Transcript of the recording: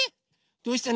どうしたの？